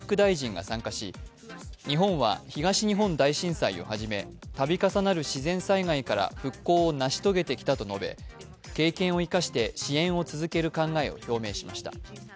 日本からは鈴木外務副大臣が参加し、日本は東日本大震災をはじめ度重なる自然災害から復興を成し遂げてきたと述べ経験を生かして支援を続ける考えを表明しました。